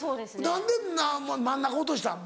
何で真ん中落としたん？